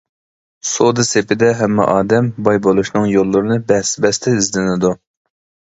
سودا سېپىدە ھەممە ئادەم باي بولۇشنىڭ يوللىرىنى بەس-بەستە ئىزدىنىدۇ.